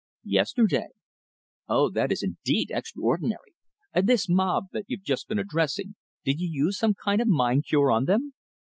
"Yesterday." "Oh! That is indeed extraordinary! And this mob that you've just been addressing did you use some kind of mind cure on them?"